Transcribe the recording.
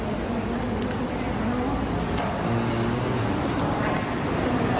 นักข่าวจะเจอหน่อยไปดูครับ